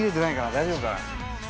大丈夫かな？